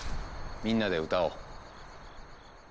みんなで歌おう。